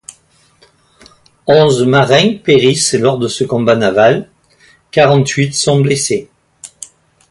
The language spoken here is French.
Onze marins périssent lors de ce combat naval, quarante-huit sont blessés.